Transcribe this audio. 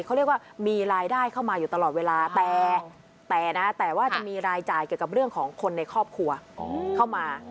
เขาเรียกว่ามีรายได้เข้ามาอยู่ตลอดเวลาแต่นะแต่ว่าจะมีรายจ่ายเกี่ยวกับเรื่องของคนในครอบครัวเข้ามา